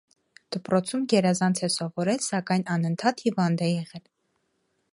Դպրոցում գերազանց է սովորել, սակայն անընդհատ հիվանդ է եղել։